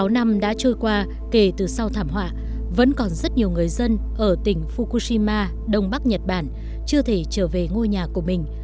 sáu năm đã trôi qua kể từ sau thảm họa vẫn còn rất nhiều người dân ở tỉnh fukushima đông bắc nhật bản chưa thể trở về ngôi nhà của mình